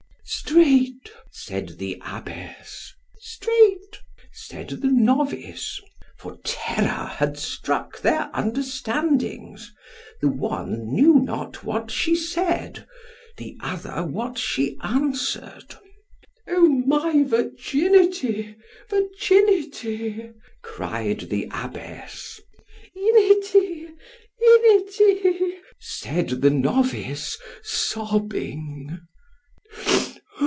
Strait! said the abbess. Strait——said the novice; for terror had struck their understandings——the one knew not what she said——the other what she answer'd. O my virginity! virginity! cried the abbess. ——inity!——inity! said the novice, sobbing.